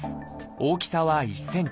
大きさは１ｃｍ。